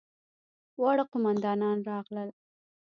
واړه قوماندان راغلل.